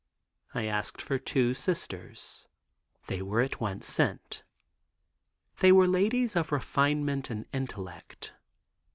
I asked for two Sisters. They were at once sent. They were ladies of refinement and intellect.